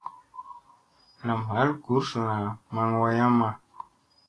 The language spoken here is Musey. Nam ɦal gursuna maŋ wayamma.